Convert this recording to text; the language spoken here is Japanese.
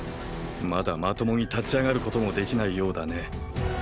まだまともに立ち上がることもできないようだね。